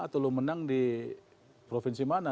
atau lo menang di provinsi mana